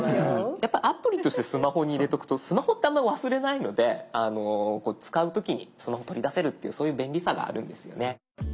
やっぱアプリとしてスマホに入れとくとスマホってあんまり忘れないので使う時にスマホ取り出せるっていうそういう便利さがあるんですよね。